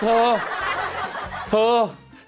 โถเถอะ